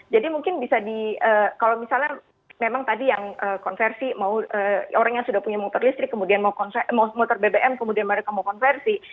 jadi mungkin bisa di kalau misalnya memang tadi yang konversi orang yang sudah punya motor listrik kemudian motor bbm kemudian mereka mau konversi